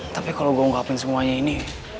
tapi kalau gue ungkapin semuanya ini